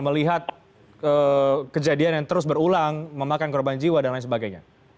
melihat kejadian yang terus berulang memakan korban jiwa dan lain sebagainya